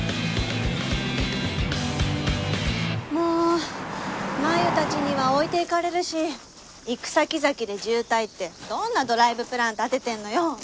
もう真夢たちには置いていかれるし行く先々で渋滞ってどんなドライブプラン立ててるのよ！